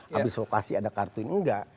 habis lokasi ada kartu ini enggak